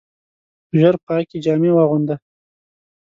ژر پاکي جامې واغونده !